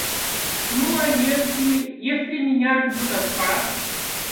Ну, а если, если меня ждет отказ?...